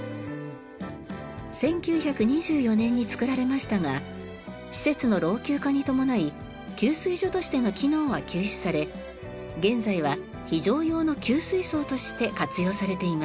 １９２４年に造られましたが施設の老朽化に伴い給水所としての機能は休止され現在は非常用の給水槽として活用されています。